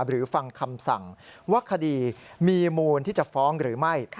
หรือฟังคำสั่งว่าคดีมีมูลที่จะฟ้องหรือไม่